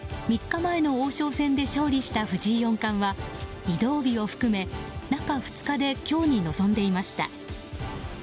３日前の王将戦で勝利した藤井四冠は移動日を含め中２日で今日に臨んでいました。